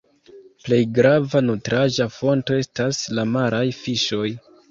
Plej grava nutraĵa fonto estas la maraj fiŝoj.